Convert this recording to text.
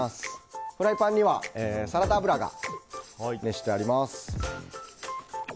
フライパンにはサラダ油が熱してあります。